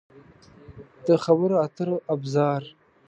د خبرو اترو ابزار